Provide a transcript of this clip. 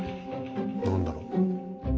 何だろう？